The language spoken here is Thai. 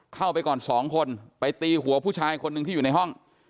เข้าไปก่อนสองคนไปตีหัวผู้ชายคนหนึ่งที่อยู่ในห้อง